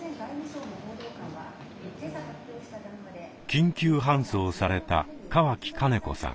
緊急搬送された川木金子さん。